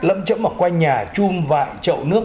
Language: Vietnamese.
lâm chấm ở quanh nhà chung vại trậu nước